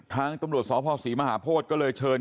ทางตำรวจสภศรีมหาโพธิก็เลยเชิญ